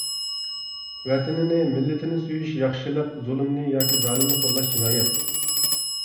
ۋەتىنىنى، مىللىتىنى سۆيۈش ياخشىلىق، زۇلۇمنى ياكى زالىمنى قوللاش جىنايەت.